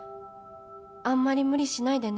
「あんまり無理しないでね？」